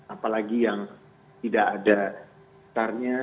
apalagi yang tidak ada tarnya